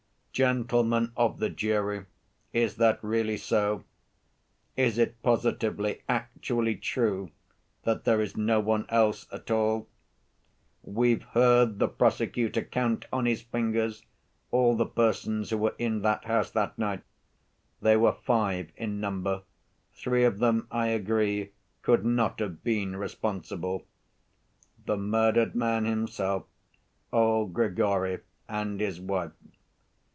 "Gentlemen of the jury, is that really so? Is it positively, actually true that there is no one else at all? We've heard the prosecutor count on his fingers all the persons who were in that house that night. They were five in number; three of them, I agree, could not have been responsible—the murdered man himself, old Grigory, and his wife.